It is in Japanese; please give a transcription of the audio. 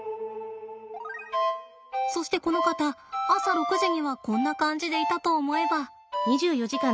そしてこの方朝６時にはこんな感じでいたと思えば。